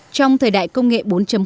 trong thời đại công nghệ bốn